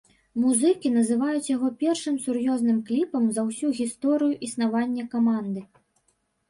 Музыкі называюць яго першым сур'ёзным кліпам за ўсю гісторыю існавання каманды.